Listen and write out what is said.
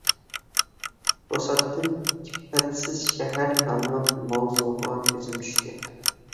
توساتتىن ‹ ‹ئىپپەتسىز شەھەر› › ناملىق ماۋزۇغا كۆزۈم چۈشتى.